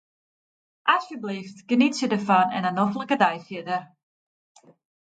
Asjebleaft, genietsje derfan en in noflike dei fierder.